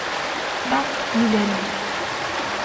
Van milenios.